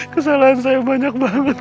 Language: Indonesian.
kesalahan saya banyak banget